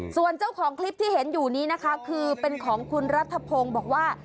ส่วนเจ้าของคลิปที่เห็นอยู่นี้นะคะคือเป็นของคุณรัฐพงศ์บอกว่า